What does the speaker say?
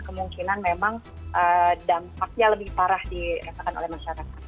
kemungkinan memang dampaknya lebih parah dirasakan oleh masyarakat